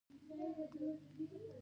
عمان ښار ته الوداع ویل سخته وه.